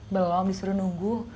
belom disuruh nunggu